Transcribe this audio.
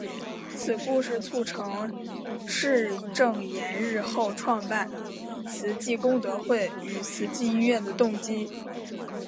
此故事促成释证严日后创办慈济功德会与慈济医院的动机。